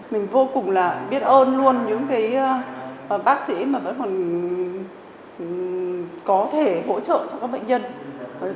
mình cũng biết ơn những bác sĩ mà vẫn còn có thể hỗ trợ cho các bệnh nhân